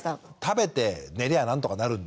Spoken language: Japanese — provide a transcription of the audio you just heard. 食べて寝りゃあ何とかなるんで。